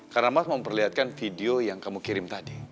karena mas mau memperlihatkan video yang kamu kirim tadi